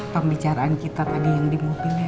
pembicaraan kita tadi yang di mobil ya pak